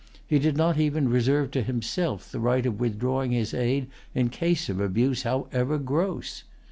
He did not even reserve to himself the right of withdrawing his aid in case of abuse, however gross.